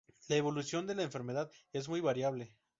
La evolución de la enfermedad es muy variable.